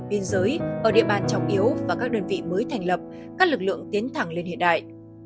biên giới ở địa bàn trọng yếu và các đơn vị mới thành lập các lực lượng tiến thẳng lên hiện đại